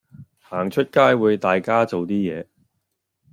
行出街會大家做啲嘢